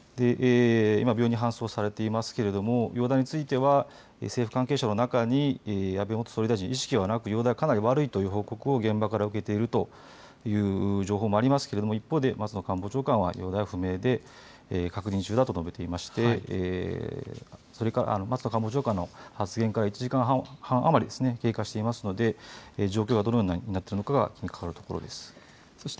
今病院に搬送されていますけれども容体については政府関係者の中に安倍元総理大臣意識はなく容体がかなり悪いという報告を現場から受けているという情報もありますけれど一方で松野官房長官は容体は不明で確認中だと述べていまして松野官房長官の発言から１時間半余り経過していますので状況がどのようになっているかが気にかかるところです。